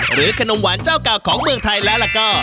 ขนมหวานเจ้าเก่าของเมืองไทยแล้วก็